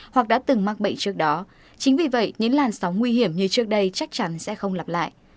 hoặc đã từng mắc bệnh trước đó chính vì vậy những làn sóng nguy hiểm như trước đây chắc chắn sẽ không lặp lại